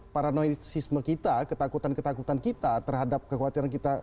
paranoitisisme kita ketakutan ketakutan kita terhadap kekhawatiran kita